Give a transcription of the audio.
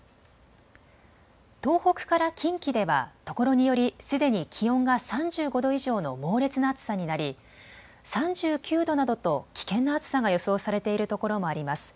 東北から近畿ではところによりすでに気温が３５度以上の猛烈な暑さになり、３９度などと危険な暑さが予想されているところもあります。